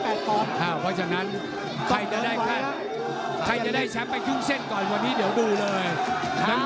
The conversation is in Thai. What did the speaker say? เพราะฉะนั้นใครจะได้ใครจะได้แชมป์ไปยุ่งเส้นก่อนวันนี้เดี๋ยวดูเลยนะ